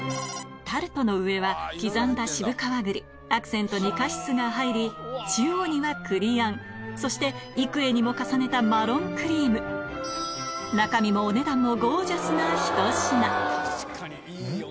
タルトの上は刻んだ渋皮栗アクセントにカシスが入り中央には栗あんそして幾重にも重ねたマロンクリーム中身もお値段もゴージャスな１品確かにいいお値段ですね。